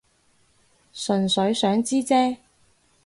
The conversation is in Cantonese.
純粹想知啫